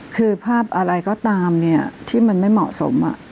คือภาพอะไรก็ตามเนี่ยที่มันไม่เหมาะสม